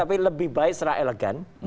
tapi lebih baik secara elegan